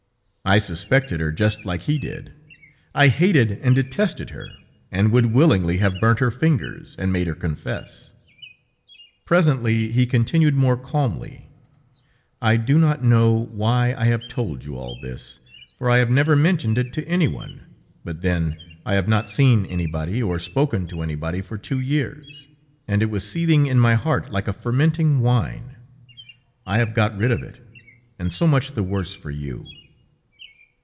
I suspected her just like he did, I hated and detested her, and would willingly have burnt her fingers and made her confess. Presently, he continued more calmly: "I do not know why I have told you all this, for I have never mentioned it to anyone, but then, I have not seen anybody or spoken to anybody for two years! And it was seething in my heart like a fermenting wine. I have got rid of it, and so much the worse for you.